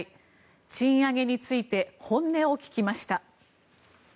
賃上げについて本音を聞きました。